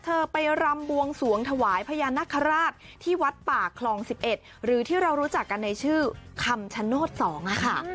เธอไปรำบวงสวงถวายพญานาคาราชที่วัดป่าคลอง๑๑หรือที่เรารู้จักกันในชื่อคำชโนธ๒ค่ะ